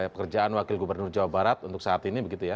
pekerjaan wakil gubernur jawa barat untuk saat ini begitu ya